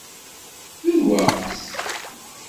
D lweqt!